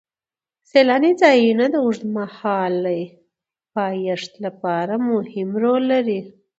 سیلاني ځایونه د اوږدمهاله پایښت لپاره مهم رول لري.